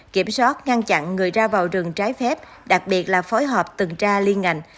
kiểm soát ngăn chặn người ra vào rừng trái phép đặc biệt là phối hợp tuần tra liên ngành